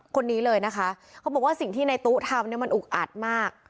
คนนี้เลยนะคะเขาบอกว่าสิ่งที่ในตู้ทำเนี่ยมันอุกอัดมาก